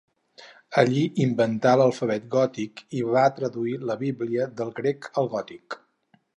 Allí inventà l'alfabet gòtic i va traduir la Bíblia del grec al gòtic.